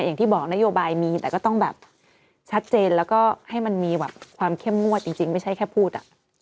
อย่างที่บอกนโยบายมีแต่ก็ต้องแบบชัดเจนแล้วก็ให้มันมีความเข้มงวดจริงไม่ใช่แค่พูด